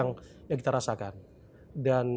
pengalaman kami kemarin itu yang kita rasakan ini ya